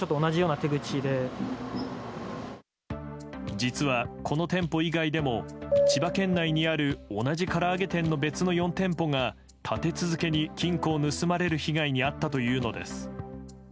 実は、この店舗以外でも千葉県内にある同じから揚げ店の別の４店舗が立て続けに金庫を盗まれる被害に遭ったというのです。